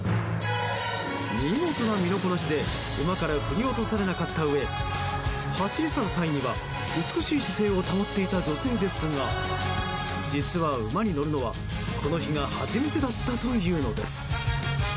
見事な身のこなしで馬から振り落とされなかったうえ走り去る際には美しい姿勢を保っていた女性ですが実は、馬に乗るのはこの日が初めてだったというのです。